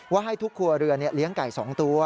ให้ทุกครัวเรือนเลี้ยงไก่๒ตัว